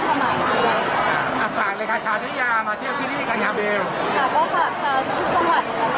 ดีใจค่ะเพราะว่าเออความจริงว่าตอนนี้แม่นายก็ถ่ายละครอยู่ช้า